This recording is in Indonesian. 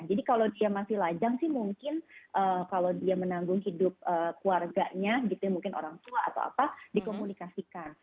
jadi kalau dia masih lajang sih mungkin kalau dia menanggung hidup keluarganya gitu mungkin orang tua atau apa dikomunikasikan